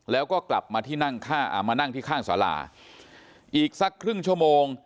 แล้วก็กลับมาที่นั่งที่ข้างสาราอีกสักครึ่งชั่วโมง